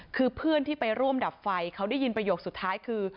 คือเพื่อนที่ไปร่วมดับไฟเขาได้ยินประโยคสุดท้ายคือ